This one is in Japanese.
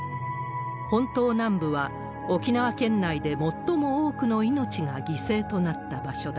本島南部は沖縄県内で最も多くの命が犠牲となった場所だ。